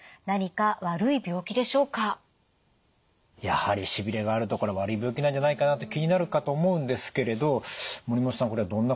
やはりしびれがあるとこれ悪い病気なんじゃないかなって気になるかと思うんですけれど森本さん